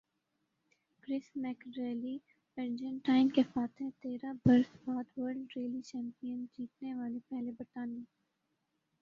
کرس Meeke rally Argentina کے فاتح تیرہ برس بعد ورلڈ ریلی چیمپئن جیتنے والے پہلے برطانوی